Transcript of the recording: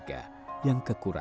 kuntungan cak politik